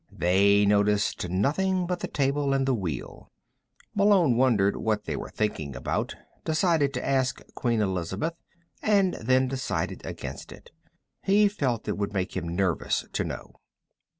They noticed nothing but the table and the wheel. Malone wondered what they were thinking about, decided to ask Queen Elizabeth, and then decided against it. He felt it would make him nervous to know.